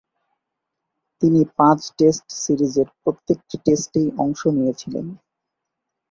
তিনি পাঁচ-টেস্ট সিরিজের প্রত্যেকটি টেস্টেই অংশ নিয়েছিলেন।